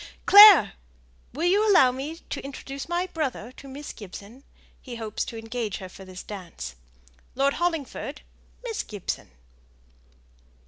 Clare! will you allow me to introduce my brother to Miss Gibson? he hopes to engage her for this dance. Lord Hollingford, Miss Gibson!"